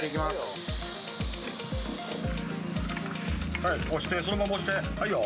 今、押して、そのまま押して、いいよ。